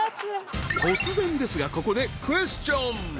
［突然ですがここでクエスチョン］